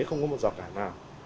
không có một dọc cả nào